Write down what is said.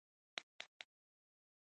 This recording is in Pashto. هغه ډېرې خوشخطه دي